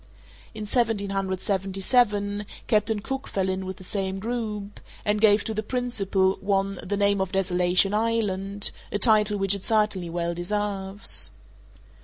In 1777, Captain Cook fell in with the same group, and gave to the principal one the name of Desolation Island, a title which it certainly well deserves.